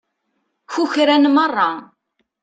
Kukran merra.